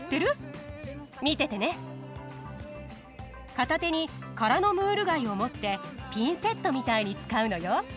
片手に空のムール貝を持ってピンセットみたいに使うのよ。